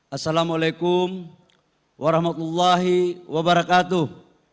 assalamualaikum warahmatullahi wabarakatuh